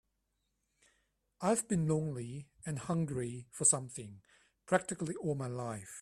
I've been lonely and hungry for something practically all my life.